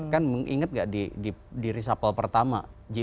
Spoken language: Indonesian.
kan inget gak di resupple pertama